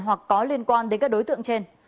hoặc có liên quan đến các đối tượng trên